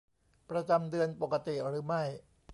ประจำเดือนปกติหรือไม่